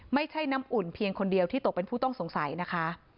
ไม่ใช่น้ำอุ่นเพียงคนเดียวที่ตกเป็นผู้ต้องสงสัยนะคะ